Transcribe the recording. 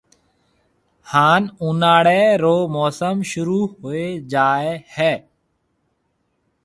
ھان اُوناݪيَ رو موسم شروع ھوئيَ جائيَ ھيََََ